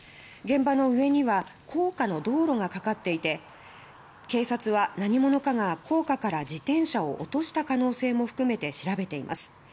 現場の上には高架の道路がかかっていて警察は、何者かが高架から自転車を落とした可能性も含めて調べています。